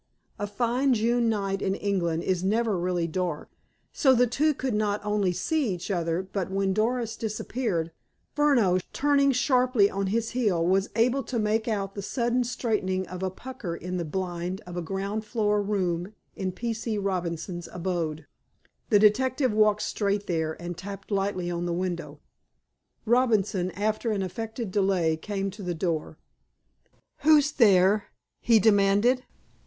A fine June night in England is never really dark, so the two could not only see each other but, when Doris disappeared, Furneaux, turning sharply on his heel, was able to make out the sudden straightening of a pucker in the blind of a ground floor room in P. C. Robinson's abode. The detective walked straight there, and tapped lightly on the window. Robinson, after an affected delay, came to the door. "Who's there?" he demanded.